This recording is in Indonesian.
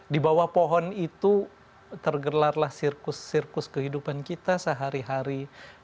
di bawah pohon itu tergelarlah sirkus sirkus kehidupan kita sehari hari